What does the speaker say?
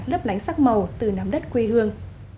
lấp lánh sắc màu từ nắm đất quê hương